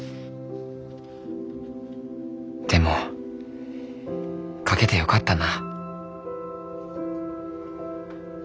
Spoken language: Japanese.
でも描けてよかったな。